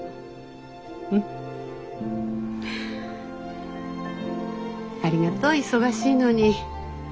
うん。ありがと忙しいのに。